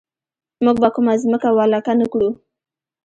موږ به کومه ځمکه ولکه نه کړو.